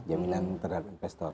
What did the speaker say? jaminan terhadap investor